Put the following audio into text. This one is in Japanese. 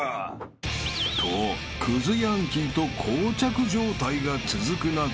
［とクズヤンキーと膠着状態が続く中］